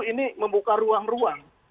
ini membuka ruang ruang